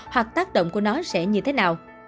hoặc tác động của nó sẽ như thế nào